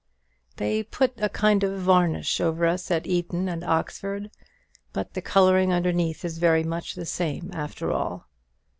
They put a kind of varnish over us at Eton and Oxford; but the colouring underneath is very much the same, after all.